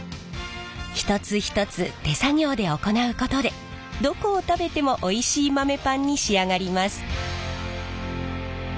一つ一つ手作業で行うことでどこを食べてもおいしい豆パンに仕上がります。